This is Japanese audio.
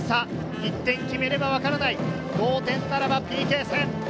１点決めれば分からない、同点ならばＰＫ戦。